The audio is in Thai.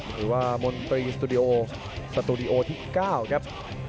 หรือว่ามนตรีสตูดิโอสตูดิโอที่๙ครับ